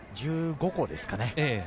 １５個ですかね。